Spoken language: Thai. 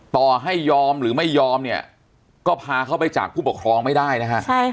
ต่อให้ยอมหรือไม่ยอมเนี่ยก็พาเขาไปจากผู้ปกครองไม่ได้นะฮะ